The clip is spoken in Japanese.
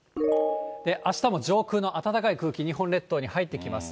あしたも上空の暖かい空気、日本列島に入ってきます。